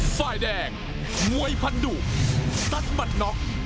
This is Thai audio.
ฝ่ายแดงมวยพันธุสัชบัตรน็อค